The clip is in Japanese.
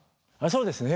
そうですね。